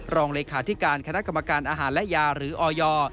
รองเลขาธิการคณะกรรมการอาหารและยาหรือออย